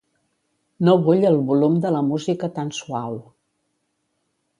No vull el volum de la música tan suau.